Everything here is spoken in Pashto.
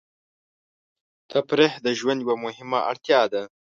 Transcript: تفریح د ژوند یوه مهمه اړتیا ده.